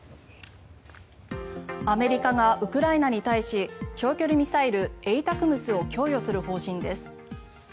アメリカがウクライナに対し長距離ミサイル、ＡＴＡＣＭＳを供与する方針です。